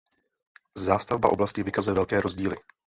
Zástavba oblasti vykazuje velké rozdíly.